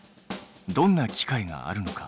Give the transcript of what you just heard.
どんな機械があるのか？